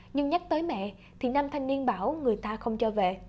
nhưng nhắc tới mẹ thì nam thanh niên bảo người ta không cho về